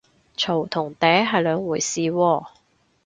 嘈同嗲係兩回事喎